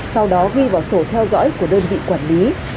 sau đó ghi vào sổ theo dõi của đơn vị quản lý